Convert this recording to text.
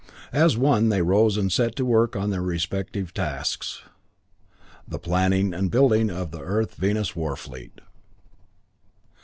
As one they arose and set to work on their respective tasks the planning and building of the Earth Venus war fleet.